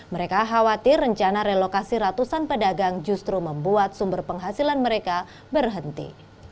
mereka khawatir rencana relokasi ratusan pedagang justru membuat sumber penghasilan mereka berhenti